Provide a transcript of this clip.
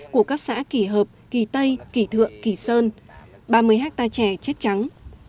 của các xã kỳ hợp kỳ tây kỳ thượng kỳ sơn ba mươi hectare trẻ chết trắng